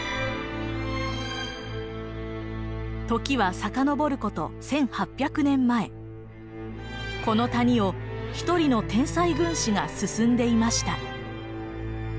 時は遡ること１，８００年前この谷を一人の天才軍師が進んでいました。